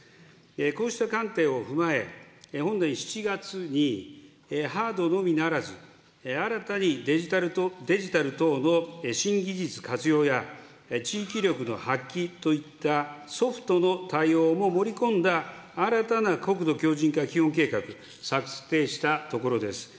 こうした観点を踏まえ、本年７月にハードのみならず、新たにデジタル等の新技術活用や、地域力の発揮といったソフトの対応も盛り込んだ新たな国土強じん化基本計画、策定したところです。